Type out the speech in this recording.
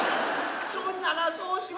そんならそうしましょう。